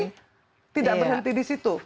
tapi tidak berhenti di situ